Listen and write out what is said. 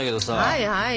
はいはい。